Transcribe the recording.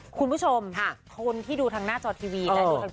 คุณผู้ชมคนที่ดูทางหน้าจอทีวี